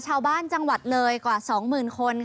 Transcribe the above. ชาวบ้านจังหวัดเลยกว่า๒๐๐๐๐คน